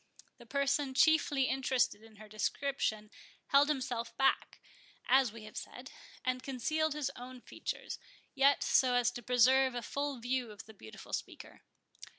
The person chiefly interested in her description held himself back, as we have said, and concealed his own features, yet so as to preserve a full view of the beautiful speaker.